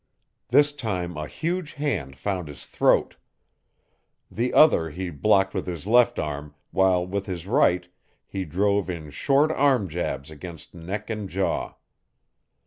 This time a huge hand found his throat. The other he blocked with his left arm, while with his right he drove in short arm jabs against neck and jaw.